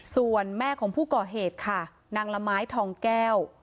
ส่วนแม่ของผู้ก่อเหตุค่ะนางละไม้ทองแก้ว